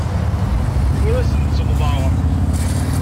Ur asen-d-ttennḍeɣ.